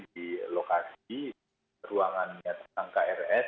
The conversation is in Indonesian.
di lokasi ruangannya tersangka rs